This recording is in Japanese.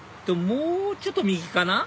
もうちょっと右かな